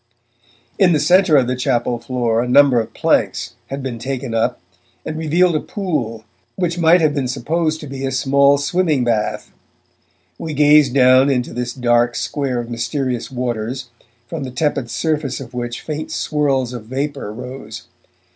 In the centre of the chapel floor a number of planks had been taken up and revealed a pool which might have been supposed to be a small swimming bath. We gazed down into this dark square of mysterious waters, from the tepid surface of which faint swirls of vapour rose.